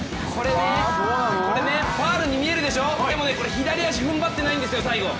これねファールに見えるでしょ、でもこれ、左足ふんばってないんですよ、最後。